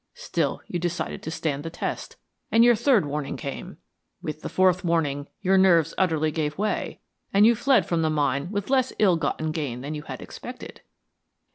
Still, you decided to stand the test, and your third warning came. With the fourth warning, your nerves utterly gave way, and you fled from the mine with less ill gotten gain than you had expected.